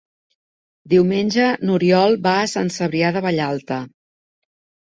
Diumenge n'Oriol va a Sant Cebrià de Vallalta.